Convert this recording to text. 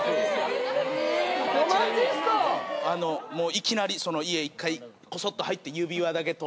いきなり家こそっと入って指輪だけ取って。